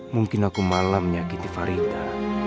mungkin aku malah menyakiti farida